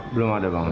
belum ada banget